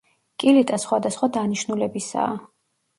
კილიტა სხვადასხვა დანიშნულებისაა.